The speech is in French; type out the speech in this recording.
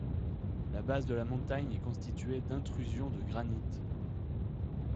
La base de la montagne est constituée d'intrusions de granite.